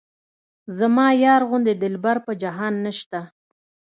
زما یار غوندې دلبر په جهان نشته.